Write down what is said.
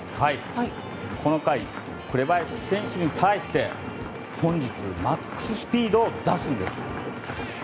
この回、紅林選手に対して本日マックススピードを出すんですよ。